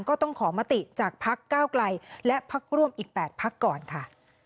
ก็ต้องขอมติจากพักก้าวไกลและพักร่วมอีก๘พักก่อนค่ะ